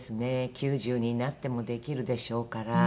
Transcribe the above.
９０になってもできるでしょうから。